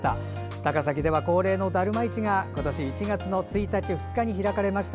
高崎では恒例のだるま市が今年１月１日と２日に開かれました。